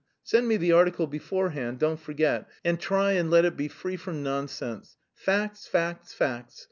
Send me the article beforehand, don't forget, and try and let it be free from nonsense. Facts, facts, facts.